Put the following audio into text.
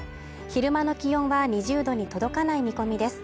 昼間の気温は２０度に届かない見込みです